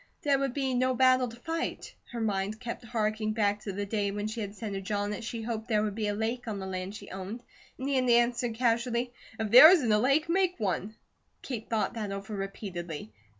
There would be no battle to fight. Her mind kept harking back to the day when she had said to John that she hoped there would be a lake on the land she owned, and he had answered casually: "If there isn't a lake, make one!" Kate thought that over repeatedly.